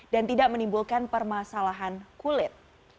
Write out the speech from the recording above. dan tidak menimbulkan permasalahan kulit